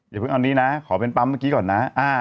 อย่าเพิ่งเอานี้นะขอเป็นปั๊มเมื่อกี้ก่อนนะ